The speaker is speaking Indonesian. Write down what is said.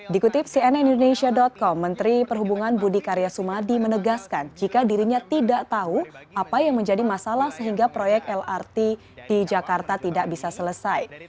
dikutip cnn indonesia com menteri perhubungan budi karya sumadi menegaskan jika dirinya tidak tahu apa yang menjadi masalah sehingga proyek lrt di jakarta tidak bisa selesai